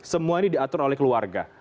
semua ini diatur oleh keluarga